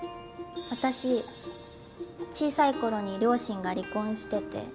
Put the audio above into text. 私小さい頃に両親が離婚してて。